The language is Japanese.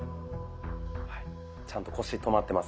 はいちゃんと腰止まってます。